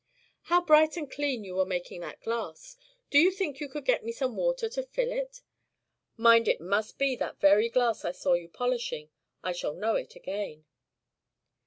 "How bright and clean you were making that glass! Do you think you could get me some water to fill it? Mind, it must be that very glass I saw you polishing. I shall know it again."